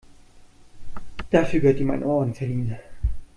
Dafür gehört ihm ein Orden verliehen.